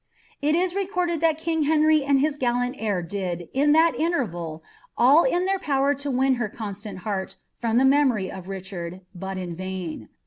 It is recorded that king Htnry and hi* gsllani heir did, in that ijiterval, all in their power to win her con> siaxit bcnrt liom the memory of Richard, but in vain.